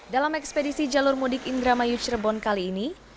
dalam ekspedisi jalur mudik indramayu cirebon kali ini